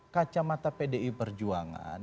kacamata pdi perjuangan